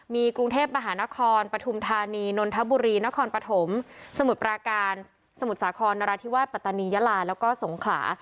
มีกรุงเทพมหานครปฐุมธานีนนทบุรีนครปฐมสมุทรปราการสมุทรสาครนราธิวาสปัตตานียาลาแล้วก็สงขลา